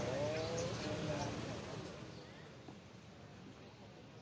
สวัสดีครับ